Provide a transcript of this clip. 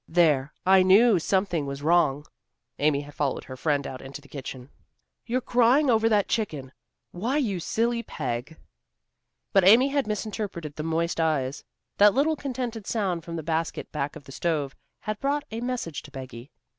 "There! I knew something was wrong." Amy had followed her friend out into the kitchen. "You're crying over that chicken. Why, you silly Peg!" But Amy had misinterpreted the moist eyes. That little contented sound from the basket back of the stove had brought a message to Peggy.